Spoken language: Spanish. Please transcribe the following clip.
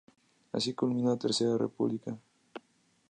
Así culmina la Tercera República.